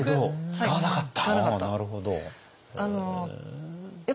使わなかった。